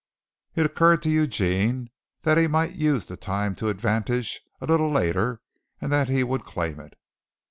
It occurred to Eugene that he might use the time to advantage a little later and that he would claim it.